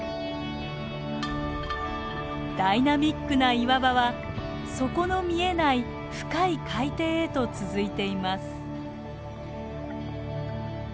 ダイナミックな岩場は底の見えない深い海底へと続いています。